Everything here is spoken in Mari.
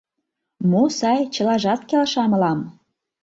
Мо сай — чылажат келша мылам.